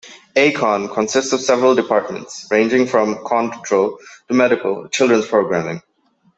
A-Kon consists of several departments, ranging from Kon Patrol to Medical to Children's Programming.